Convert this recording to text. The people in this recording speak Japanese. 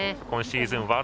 今シーズン